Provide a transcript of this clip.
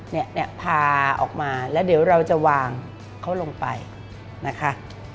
เนี่ยพาออกมาแล้วเดี๋ยวเราจะวางเขาลงไปนะคะ